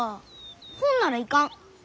ほんなら行かん。